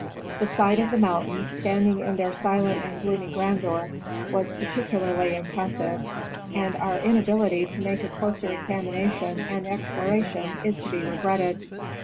The sight of the mountains, standing in their silent and gloomy grandeur, was peculiarly impressive, and our. inability to make a closer examination and exploration is to be regretted.